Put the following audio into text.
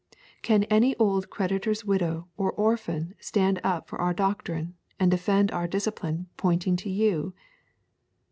Can any old creditor's widow or orphan stand up for our doctrine and defend our discipline pointing to you?